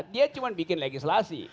dia cuma bikin legislasi